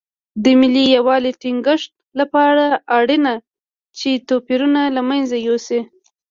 د ملي یووالي ټینګښت لپاره اړینه ده چې توپیرونه له منځه یوسو.